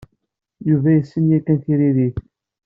Yuba yessen yakan tiririt.